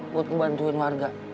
buat ngebantuin warga